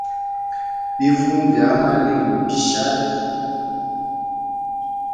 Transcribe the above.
Bivuma bya a malilo mbishali.